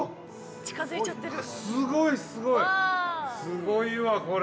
すごいわ、これ。